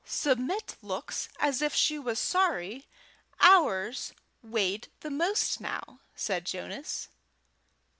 "Submit looks as if she was sorry ours weighed the most now," said Jonas.